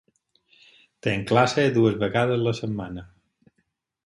Tinc classe dues vegades la setmana.